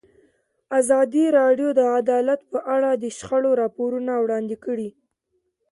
ازادي راډیو د عدالت په اړه د شخړو راپورونه وړاندې کړي.